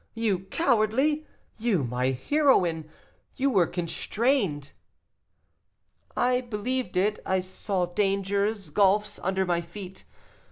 You cowardly! you, my heroine! you were constrained." "I believed it; I saw dangers, gulfs under my feet.